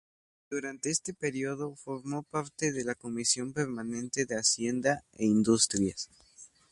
Durante este período, formó parte de la comisión permanente de Hacienda e Industrias.